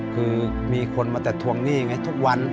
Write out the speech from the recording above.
คือมีคนมาแต่ทวงหนี้ไงทุกวัน